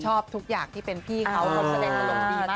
ชอบทุกอย่างที่เป็นพี่เขาแสดงอารมณ์ดีมาก